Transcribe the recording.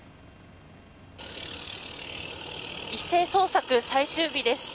一斉捜索最終日です。